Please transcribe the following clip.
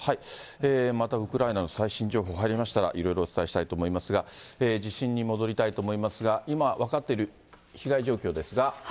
またウクライナの最新情報入りましたらいろいろお伝えしたいと思いますが、地震に戻りたいと思いますが、今、分かっている被害状況ですが。